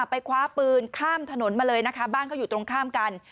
คว้าปืนข้ามถนนมาเลยนะคะบ้านเขาอยู่ตรงข้ามกัน